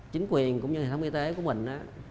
chính quyền cũng như hệ thống y tế của mình